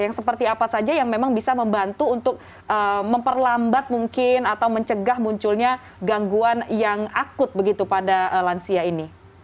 yang seperti apa saja yang memang bisa membantu untuk memperlambat mungkin atau mencegah munculnya gangguan yang akut begitu pada lansia ini